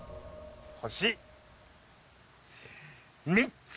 星３つ！